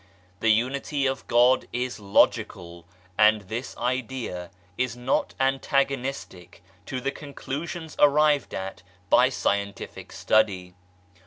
The Unity of God is logical, and this idea is not antagonistic to the conclusions arrived at by scientific study.